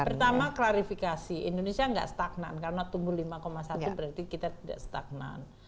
pertama klarifikasi indonesia tidak stagnan karena tumbuh lima satu berarti kita tidak stagnan